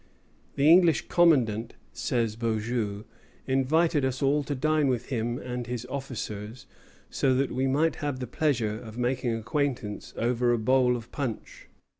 "The English commandant," again says Beaujeu, "invited us all to dine with him and his officers, so that we might have the pleasure of making acquaintance over a bowl of punch."